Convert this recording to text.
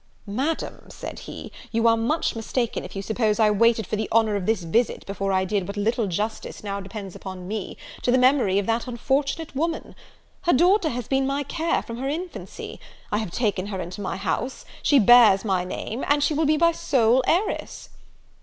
'Madam,' said he, 'you are much mistaken, if you suppose I waited for the honour of this visit before I did what little justice now depends upon me, to the memory of that unfortunate woman: her daughter has been my care from her infancy; I have taken her into my house; she bears my name; and she will be my sole heiress.'